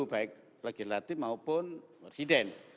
baik legislatif maupun presiden